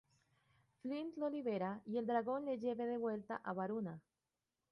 Flint lo libera y el dragón le lleve de vuelta a Varuna.